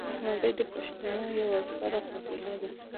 احمدزي د پښتنو یوه ستره قبیله ده